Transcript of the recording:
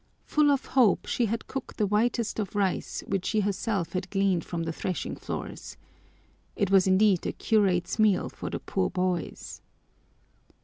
Full of hope, she had cooked the whitest of rice, which she herself had gleaned from the threshing floors. It was indeed a curate's meal for the poor boys.